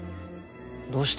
どうして？